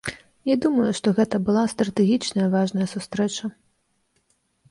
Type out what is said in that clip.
Не думаю, што гэта была стратэгічная важная сустрэча.